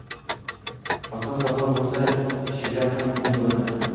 Inson sog‘lom bo‘lsa, ishida ham unum bo‘ladi